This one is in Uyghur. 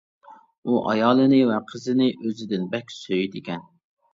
ئۇ ئايالىنى ۋە قىزىنى ئۆزىدىن بەك سۆيىدىكەن.